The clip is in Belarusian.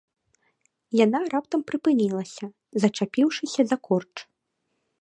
Яна раптам прыпынілася, зачапіўшыся за корч.